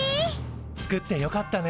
作ってよかったね。